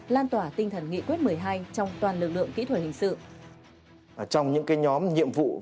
lan tỏa tinh thần nghị quyết một mươi hai trong toàn lực lượng kỹ thuật hình sự